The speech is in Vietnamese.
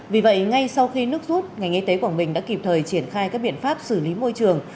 vì vậy ngay sau khi nước rút ngành y tế quảng bình đã kịp thời triển khai các biện pháp xử lý môi trường